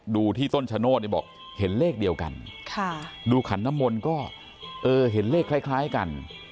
ดูที่ต้นชโนธนี่บอกเห็นเลขเดียวกันค่ะดูขันน้ำมลก็เออเห็นเลขคล้ายคล้ายกัน